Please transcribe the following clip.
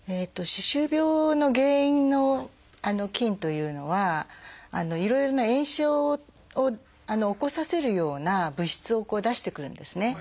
歯周病の原因の菌というのはいろいろな炎症を起こさせるような物質を出してくるんですね。